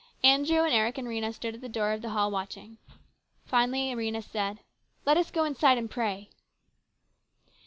Andrew and Eric and Rhena stood at the door of the hall watching. Finally Rhena said, " Let us go inside and pray."